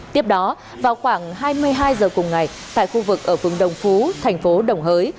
tiếp đó vào khoảng hai mươi hai giờ cùng ngày tại khu vực ở phường đồng phú thành phố đồng hới